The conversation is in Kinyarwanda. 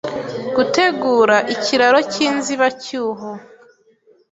Gutegura ikiraro cyinzibacyuho